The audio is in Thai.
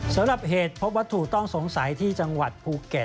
สำหรับเหตุพบวัตถุต้องสงสัยที่จังหวัดภูเก็ต